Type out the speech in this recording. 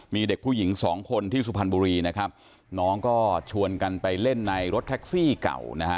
มีเด็กผู้หญิงสองคนที่สุพรรณบุรีนะครับน้องก็ชวนกันไปเล่นในรถแท็กซี่เก่านะฮะ